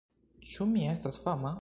Ĉu mi estas fama?